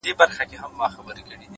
علم د انسان د ذهن دروازې پرانیزي؛